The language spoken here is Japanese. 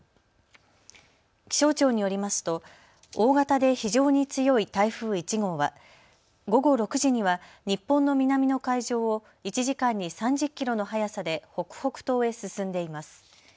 気象庁によりますと大型で非常に強い台風１号は午後６時には日本の南の海上を１時間に３０キロの速さで北北東へ進んでいます。